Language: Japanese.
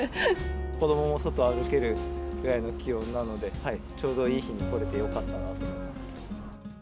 子どもも外を歩けるくらいの気温なので、ちょうどいい日に来れてよかったなと。